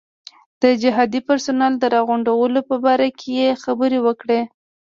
د جهادي پرسونل د راغونډولو په باره کې یې خبرې وکړې.